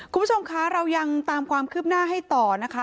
คุณผู้ชมคะเรายังตามความคืบหน้าให้ต่อนะคะ